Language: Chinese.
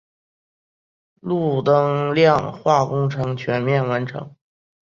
路灯亮化工程全面完成。